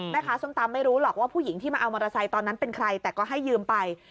ส้มตำไม่รู้หรอกว่าผู้หญิงที่มาเอามอเตอร์ไซค์ตอนนั้นเป็นใครแต่ก็ให้ยืมไป